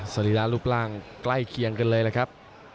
สรีระรูปร่างใกล้เคียงกันเลยนะครับ